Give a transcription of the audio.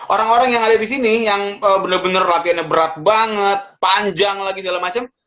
orang orang yang ada di sini yang bener bener latihannya berat banget panjang lagi segala macam